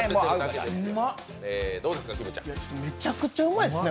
むちゃくちゃうまいですね。